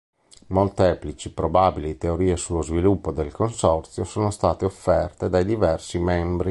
Molteplici probabili teorie sullo sviluppo del Consorzio sono state offerte dai diversi membri.